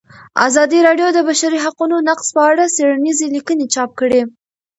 ازادي راډیو د د بشري حقونو نقض په اړه څېړنیزې لیکنې چاپ کړي.